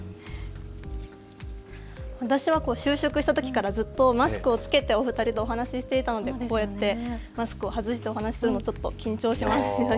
私は就職したときからずっとマスクをつけてお二人とお話をしていたのでこうやってマスクを外してお話しするのは緊張します。